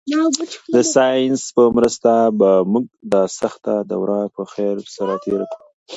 د ساینس په مرسته به موږ دا سخته دوره په خیر سره تېره کړو.